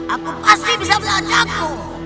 aku pasti bisa mengancammu